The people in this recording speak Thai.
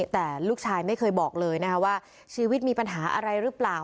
แต่ลูกชายไม่เคยบอกเลยนะคะว่าชีวิตมีปัญหาอะไรหรือเปล่า